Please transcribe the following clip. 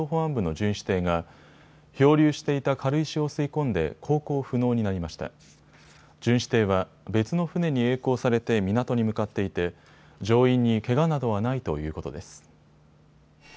巡視艇は別の船にえい航されて港に向かっていて乗員にけがなどはないということです。